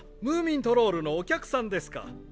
ムーミントロールのお客さんですか。